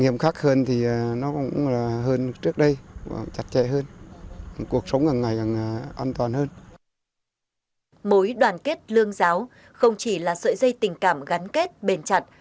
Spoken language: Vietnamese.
mối đoàn kết lương giáo không chỉ là sợi dây tình cảm gắn kết bền chặt